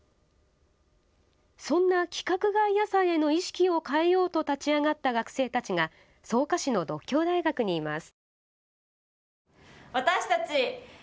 そんな規格外野菜への意識を変えようと立ち上がった学生たちが草加市の獨協大学にいます。